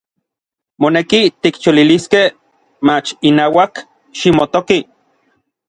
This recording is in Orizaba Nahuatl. Moneki tikcholiliskej, mach inauak ximotoki.